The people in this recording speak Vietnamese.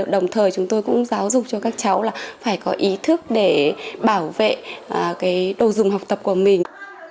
đồng thời chúng tôi cũng giáo dục cho các cháu là phải có ý thức để bảo vệ cái đồ dùng học tập của mình